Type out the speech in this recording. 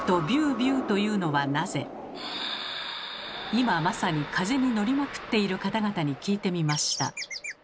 今まさに風に乗りまくっている方々に聞いてみました。